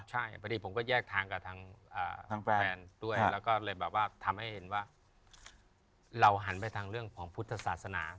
ใช่พอดีผมก็แยกทางกับทางแฟนด้วยแล้วก็เลยแบบว่าทำให้เห็นว่าเราหันไปทางเรื่องของพุทธศาสนา